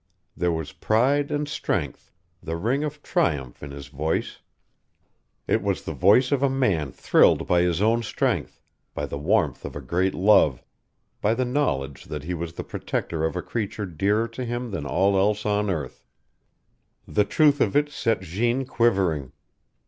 There was pride and strength, the ring of triumph in his voice. It was the voice of a man thrilled by his own strength, by the warmth of a great love, by the knowledge that he was the protector of a creature dearer to him than all else on earth. The truth of it set Jeanne quivering.